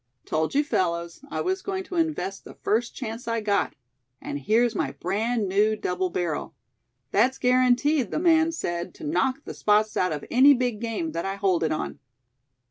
Told you fellows, I was going to invest the first chance I got; and here's my brand new double barrel; that's guaranteed, the man said, to knock the spots out of any big game that I hold it on."